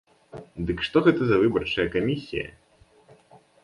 Дык што гэта за выбарчая камісія.